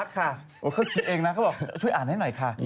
ก็ช่วยอ่านให้หน่อยค่ะ